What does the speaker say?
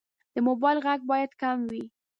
د موبایل غږ باید کم وي.